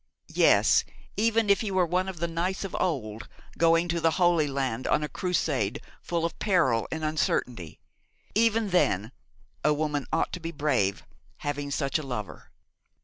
Yes, even if he were one of the knights of old, going to the Holy Land on a crusade full of peril and uncertainty. Even then a woman ought to be brave, having such a lover.